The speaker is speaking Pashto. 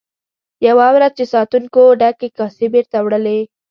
یوه ورځ چې ساتونکو ډکې کاسې بیرته وړلې.